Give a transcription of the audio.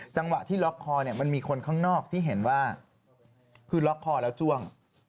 จังหวะที่ล็อกคอเนี่ยมันมีคนข้างนอกที่เห็นว่าคือล็อกคอแล้วจ้วง